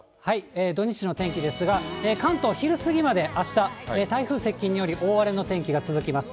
土日の天気ですが、関東、昼過ぎまであした、台風接近により、大荒れの天気が続きます。